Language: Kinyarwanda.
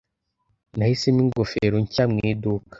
Nahisemo ingofero nshya mu iduka.